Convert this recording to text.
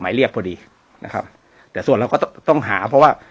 เรียกพอดีนะครับแต่ส่วนเราก็ต้องต้องหาเพราะว่า